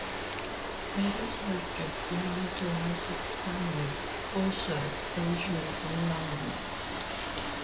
Gladys Richards belonged to an Essex family also originally from London.